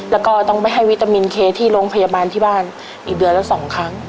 แล้วก็ต้องไปให้วิตามินเคที่โรงพยาบาลที่บ้านอีกเดือนละสองครั้ง